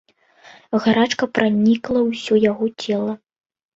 Гарачка пранікла ўсё яго цела.